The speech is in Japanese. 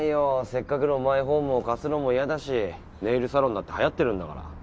せっかくのマイホームを貸すのも嫌だしネイルサロンだって流行ってるんだから。